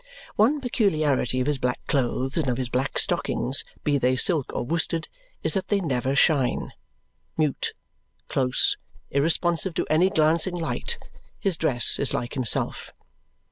One peculiarity of his black clothes and of his black stockings, be they silk or worsted, is that they never shine. Mute, close, irresponsive to any glancing light, his dress is like himself.